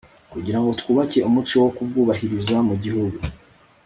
kugirango twubake umuco wo kubwubahiriza mu gihugu